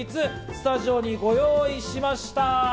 スタジオにご用意しました。